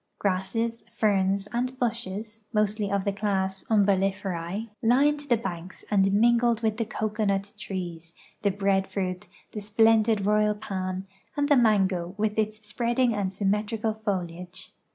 Grasses, ferns, and bushes (mostly of the class Umbellifer£e) lined the banks and mingled with the cocoanut trees, the breadfruit, the splendid royal palm, and the mango with its spreading and symmetrical foliage.